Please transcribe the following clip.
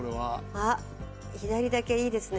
あっ左だけいいですね